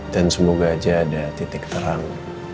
dan semoga aja ada titik terang